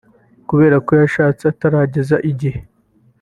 kubera ko yashatse atarageza igihe